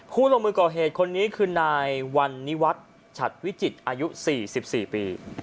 ผู้ลงมือก่อเหตุคนนี้คือนายวันนิวัฒน์ฉัดวิจิตรอายุ๔๔ปี